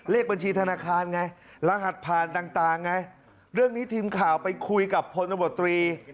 เลขบัญชีธนาคารไงรหัสผ่านต่างไงเรื่องนี้ทีมข่าวไปคุยกับพลบตรี